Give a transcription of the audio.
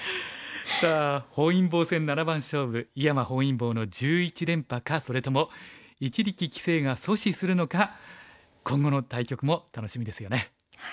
さあ本因坊戦七番勝負井山本因坊の１１連覇かそれとも一力棋聖が阻止するのか今後の対局も楽しみですよね。